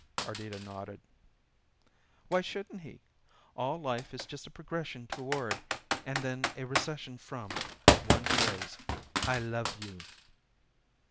Ardita nodded. "Why shouldn't he? All life is just a progression toward, and then a recession from, one phrase 'I love you.'"